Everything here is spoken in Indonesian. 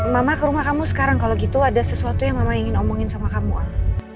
mama ke rumah kamu sekarang kalau gitu ada sesuatu yang mama ingin omongin sama kamu